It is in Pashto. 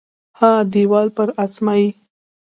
ها دیوال پر اسمایي